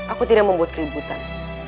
aku tidak membuat keributan